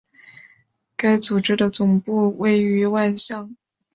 该组织的总部位于万象。